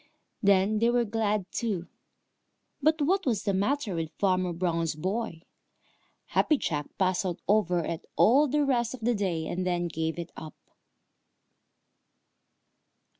Then they were glad too. But what was the matter with Farmer Brown's boy? Happy Jack puzzled over it all the rest of the day, and then gave it up.